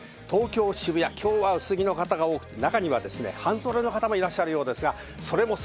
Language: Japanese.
東京・渋谷、今日は薄着の方が多く、中には半袖の方もいらっしゃるようです。